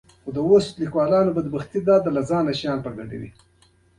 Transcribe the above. غوڅې شوې ټوټې د درې پوړه تختې پر مخ په څنګ کې کېږدئ.